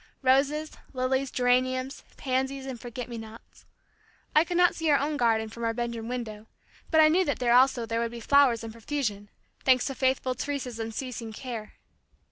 roses, lilies, geraniums, pansies and forget me nots. I could not see our own garden from our bedroom window, but I knew that there also there would be flowers in profusion, thanks to faithful Teresa's unceasing care.